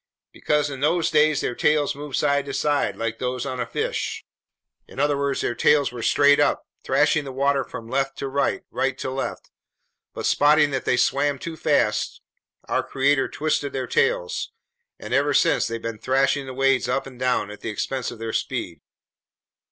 "Because in those days their tails moved side to side, like those on fish, in other words, their tails were straight up, thrashing the water from left to right, right to left. But spotting that they swam too fast, our Creator twisted their tails, and ever since they've been thrashing the waves up and down, at the expense of their speed."